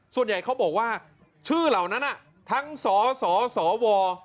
ส่วนใหญ่เขาบอกว่าชื่อเหล่านั้นทั้งสสสว